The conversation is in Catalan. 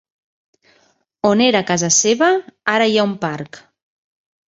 On era casa seva, ara hi ha un parc.